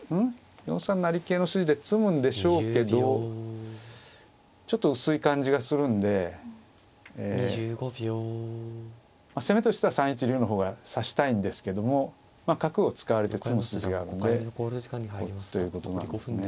４三成桂の筋で詰むんでしょうけどちょっと薄い感じがするんで攻めとしては３一竜の方が指したいんですけども角を使われて詰む筋があるんでこっちということなんですね。